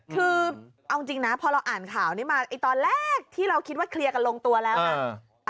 คือเอาจริงนะพอเราอ่านข่าวนี้มาตอนแรกที่เราคิดว่าเคลียร์กันลงตัวแล้วนะ